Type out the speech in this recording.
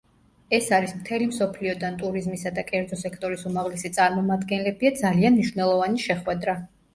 ეს არის მთელი მსოფლიოდან ტურიზმისა და კერძო სექტორის უმაღლესი წარმომადგენლებია ძალიან მნიშვნელოვანი შეხვედრა.